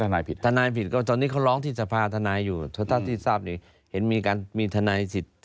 แล้วท่านท่านายถ้าท่านายผิด